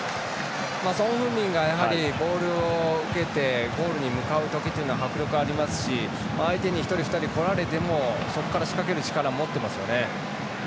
ソン・フンミンがやはりボールを受けてゴールに向かうときは迫力ありますし相手に１人２人来られてもそこから仕掛ける力を持っていますよね。